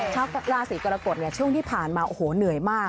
ชาวราศีกรกฎช่วงที่ผ่านมาโอ้โหเหนื่อยมาก